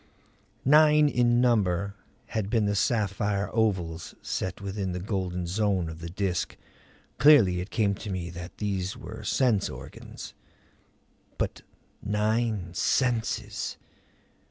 Nine in number had been the sapphire ovals set within the golden zone of the Disk. Clearly it came to me that these were sense organs! But nine senses!